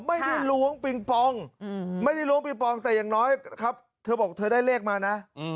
ล้วงปิงปองไม่ได้ล้วงปิงปองแต่อย่างน้อยครับเธอบอกเธอได้เลขมานะ